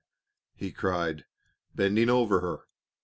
he cried, bending over her.